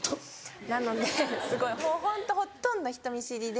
なのですごいホントほとんど人見知りで。